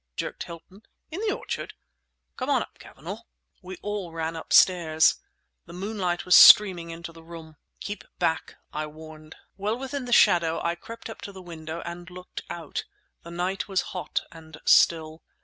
jerked Hilton—"in the orchard? Come on up, Cavanagh!" We all ran upstairs. The moonlight was streaming into the room. "Keep back!" I warned. Well within the shadow, I crept up to the window and looked out. The night was hot and still.